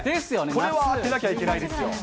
これは当てなきゃいけないですよ。